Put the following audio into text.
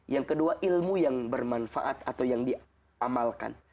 yang kedua ilmu yang bermanfaat atau yang diamalkan